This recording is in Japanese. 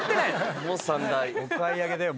お買い上げだよ